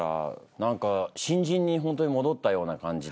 何か新人にほんとに戻ったような感じで。